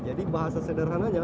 jadi bahasa sederhananya